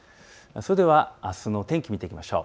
それではあすの天気を見ていきましょう。